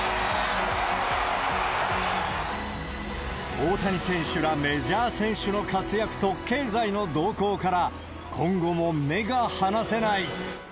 大谷選手らメジャー選手の活躍と経済の動向から、今後も目が離せない。